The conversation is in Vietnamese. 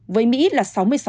với mỹ là sáu mươi sáu